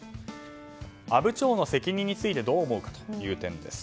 阿武町の責任についてどう思うかという点です。